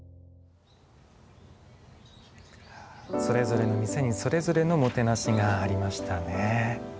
それぞれの店にそれぞれのもてなしがありましたね。